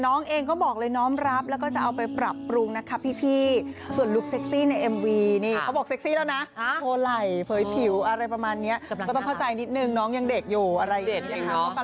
มันกำลังเหมาะกับวัยเขานะครับ